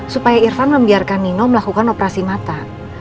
supaya irfan membiarkan nino melakukan operasi mata